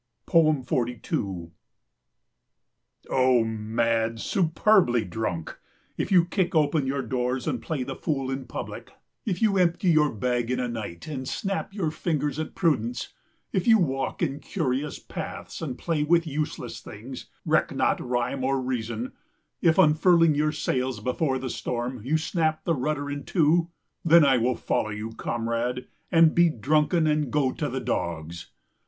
42 O mad, superbly drunk; If you kick open your doors and play the fool in public; If you empty your bag in a night, and snap your fingers at prudence; If you walk in curious paths and play with useless things; Reck not rhyme or reason; If unfurling your sails before the storm you snap the rudder in two, Then I will follow you, comrade, and be drunken and go to the dogs.